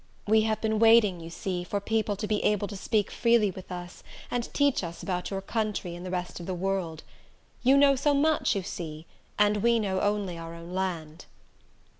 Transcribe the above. We have been waiting, you see, for you to be able to speak freely with us, and teach us about your country and the rest of the world. You know so much, you see, and we know only our own land."